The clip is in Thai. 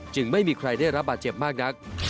ไม่มีใครได้รับบาดเจ็บมากนัก